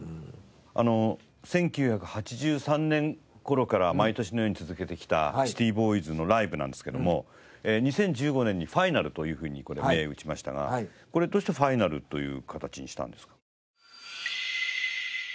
あの１９８３年頃から毎年のように続けてきたシティボーイズのライブなんですけども２０１５年にファイナルというふうに銘打ちましたがこれどうしてファイナルという形にしたんですか？